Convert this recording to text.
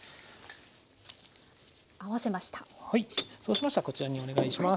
そうしましたらこちらにお願いします。